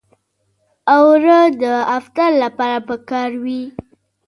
اوړه د افطار لپاره پکار وي